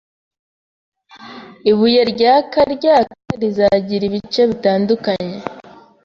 ibuye ryaka ryaka rizagira ibice bitandukanye